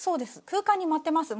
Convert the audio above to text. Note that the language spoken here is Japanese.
空間に舞ってます。